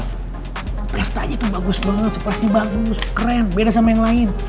pestanya tuh bagus banget pasti bagus keren beda sama yang lain